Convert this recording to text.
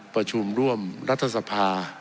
ประชุมร่วมรัฐสภา